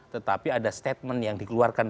tetapi ada statement yang dikeluarkan